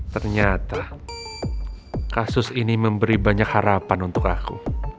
ternyata kasus ini memberi banyak harapan untuk aku